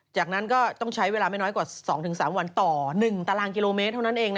จากนั้นก็ต้องใช้เวลาไม่น้อยกว่า๒๓วันต่อ๑ตารางกิโลเมตรเท่านั้นเอง